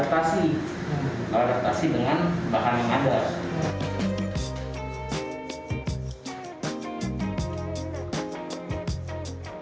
ini saus beradaptasi dengan bahan yang ada